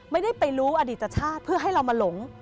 ไม่ได้ไปรู้อดีตชาติเพื่อให้เรามาหลง